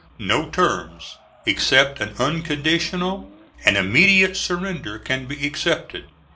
No terms except an unconditional and immediate surrender can be accepted.